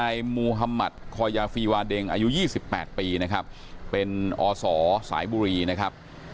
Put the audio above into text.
อยู่ยี่สิบแปดปีนะครับเป็นออสอสายบุรีนะครับ